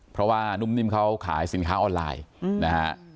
เพราะว่านุ่มนิ่มเขาขายสินค้าออนไลน์นะฮะ